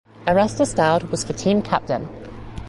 Erastus Doud was the team captain.